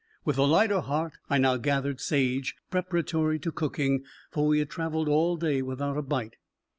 With a lighter heart I now gathered sage preparatory to cooking, for we had traveled all day without a bite.